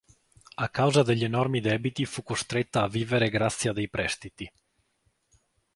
A causa degli enormi debiti fu costretta a vivere grazie a dei prestiti.